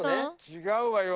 違うわよ！